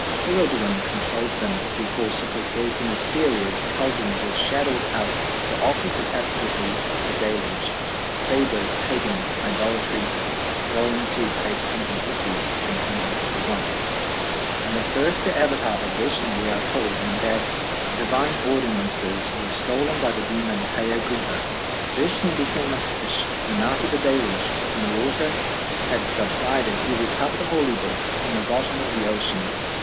"Ceridwen consults them before she prepares the mysterious caldron which shadows out the awful catastrophe of the Deluge." (Faber's "Pagan Idolatry," vol. ii., pp. 150, 151.) In the first Avatar of Vishnu we are told that "the divine ordinances were stolen by the demon Haya Griva. Vishnu became a fish; and after the Deluge, when the waters had subsided, he recovered the holy books from the bottom of the ocean."